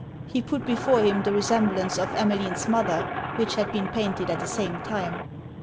He put before him the resemblance of Emmeline's mother, which had been painted at the same time.